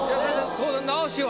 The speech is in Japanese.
当然直しは？